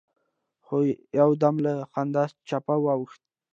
خو يودم له خندا چپه واوښت.